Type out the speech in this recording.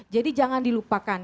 jadi jangan dilupakan